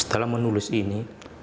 setelah menulis ini